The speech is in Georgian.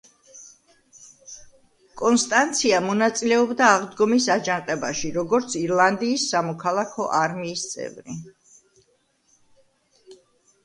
კონსტანცია მონაწილეობდა აღდგომის აჯანყებაში, როგორც ირლანდიის სამოქალაქო არმიის წევრი.